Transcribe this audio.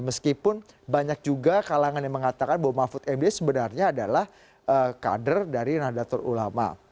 meskipun banyak juga kalangan yang mengatakan bahwa mahfud md sebenarnya adalah kader dari nahdlatul ulama